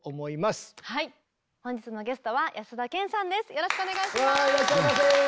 よろしくお願いします。